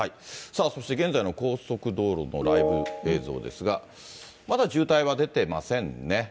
そして現在の高速道路のライブ映像ですが、まだ渋滞は出てませんね。